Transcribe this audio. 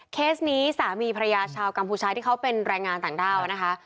เคสนี้สามีภรรยาชาวกัมพูชาที่เขาเป็นแรงงานต่างด้าวนะคะ